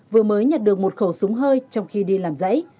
vừa mới nhặt được một khẩu súng hơi trong khi đi làm giấy